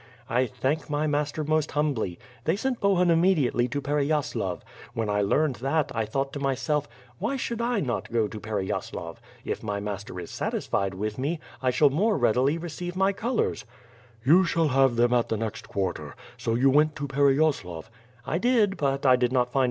"I thank my master most humbly. They sent Bohum im mediately to Pereyasilav. AVhen I learned that, I thought to myself, 'Why should I not go to Pereyaslav?' If my master is satisfied with me, I shall more readily receive my colors. ." WifB PI RE AKD SftrOfti). gj "You shall have them at the next quarter. So you went to Pereyaslav?" "I did, but I did not find.